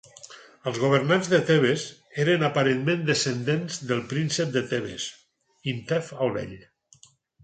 Els governants de Tebes eren aparentment descendents del príncep de Tebes, Intef el Vell.